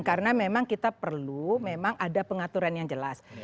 karena memang kita perlu memang ada pengaturan yang jelas